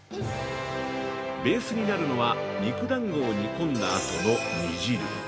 ベースになるのは、肉団子を煮込んだあとの煮汁。